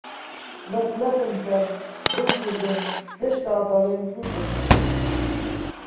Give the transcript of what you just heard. لەت لەتم کەن، بمکوژن، هێشتا دەڵێم کوردم ئەمن